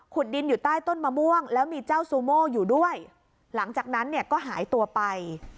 ดินอยู่ใต้ต้นมะม่วงแล้วมีเจ้าซูโม่อยู่ด้วยหลังจากนั้นเนี่ยก็หายตัวไป